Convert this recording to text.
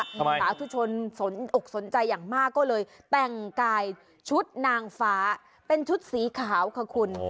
สาธุชนสนอกสนใจอย่างมากก็เลยแต่งกายชุดนางฟ้าเป็นชุดสีขาวค่ะคุณ